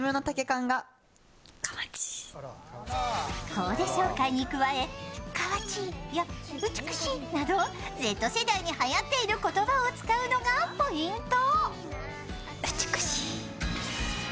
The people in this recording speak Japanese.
コーデ紹介に加え、「かわちい」や「うちゅくちい」などＺ世代にはやっている言葉を使うのがポイント。